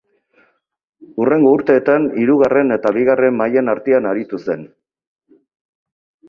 Hurrengo urteetan hirugarren eta bigarren mailen artean aritu zen.